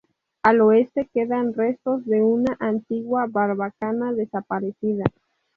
Al oeste quedan restos de una antigua barbacana desaparecida.